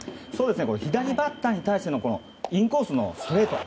左バッターに対してのインコースのストレート。